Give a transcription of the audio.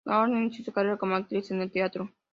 O'Neil inició su carrera como actriz en el teatro.